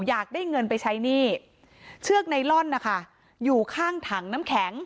อยากได้เงินไปใช้หนี้เชือกไนลอนนะคะอยู่ข้างถังน้ำแข็ง